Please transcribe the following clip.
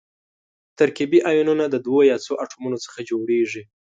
ترکیبي ایونونه د دوو یا څو اتومونو څخه جوړیږي.